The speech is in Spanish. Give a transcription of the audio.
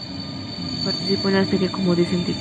Participó en la serie "Como dice el dicho".